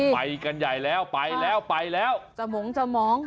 ไปกันใหญ่แล้วไปแล้วไปแล้วจมองจมอง